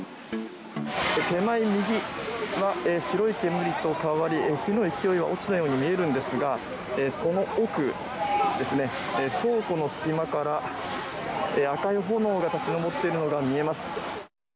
手前右は、白い煙へと変わり火の勢いは落ちたように見えるんですがその奥、倉庫の隙間から赤い炎が立ち上っているのが見えます。